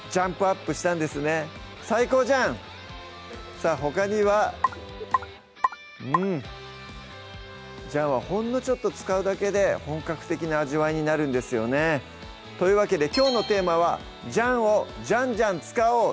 さぁほかにはうんジャンはほんのちょっと使うだけで本格的な味わいになるんですよねというわけできょうのテーマは「ジャンをジャンジャン使おう！」